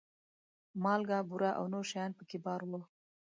مالګه، بوره او نور شیان په کې بار وو.